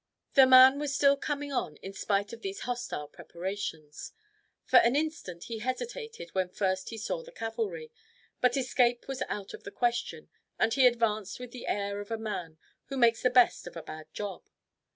The man was still coming on in spite of these hostile preparations. For an instant he hesitated when first he saw the cavalry, but escape was out of the question, and he advanced with the air of a man who makes the best of a bad job.